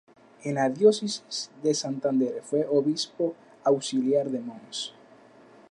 En la diócesis de Santander fue Obispo Auxiliar de Mons.